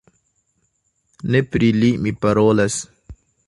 Ne pri li mi parolas!